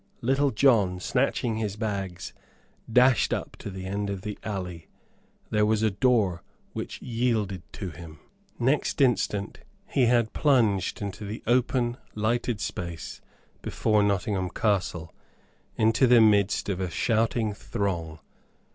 Little John, snatching his bags, dashed up to the end of the alley. There was a door, which yielded to him. Next instant he had plunged into the open lighted space before Nottingham Castle, into the midst of a shouting throng.